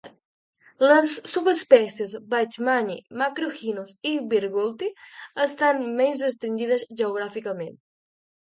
Les subespècies "bachmani", "macrorhinus" i "virgulti" estan menys restringides geogràficament.